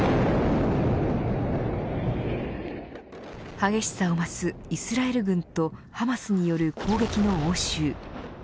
激しさを増す、イスラエル軍とハマスによる攻撃の応酬。